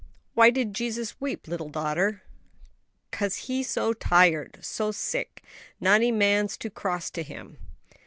'" "Why did Jesus weep, little daughter?" "'Cause He so tired? so sick? naughty mans so cross to Him?"